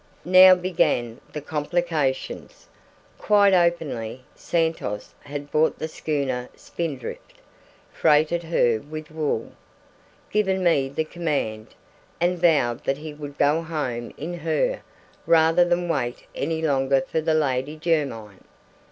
"Now began the complications. Quite openly, Santos had bought the schooner Spindrift, freighted her with wool, given me the command, and vowed that he would go home in her rather than wait any longer for the Lady Jermyn.